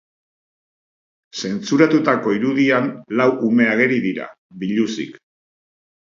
Zentsuratutako irudian lau ume ageri dira, biluzik.